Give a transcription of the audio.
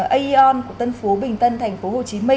aeon của tân phú bình tân tp hcm